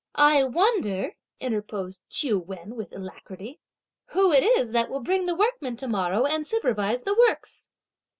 "I wonder," interposed Ch'iu Wen with alacrity, "who it is that will bring the workmen to morrow, and supervise the works?"